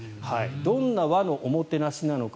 どんな和のおもてなしなのか。